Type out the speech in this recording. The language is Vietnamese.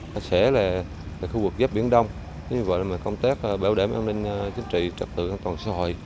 nó sẽ là khu vực giáp biển đông như vậy mà công tác bảo đảm an ninh chính trị trật tự an toàn xã hội